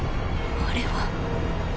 あれは。